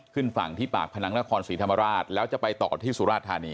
ขึ้นฝั่งที่ปากพนังนครศรีธรรมราชแล้วจะไปต่อที่สุราธานี